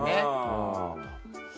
うん。